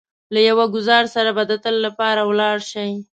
له يو ګوزار سره به د تل لپاره ولاړ شئ.